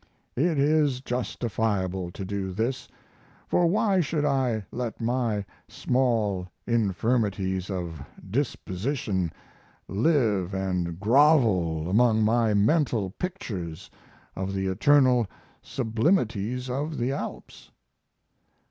It is justifiable to do this; for why should I let my small infirmities of disposition live and grovel among my mental pictures of the eternal sublimities of the Alps?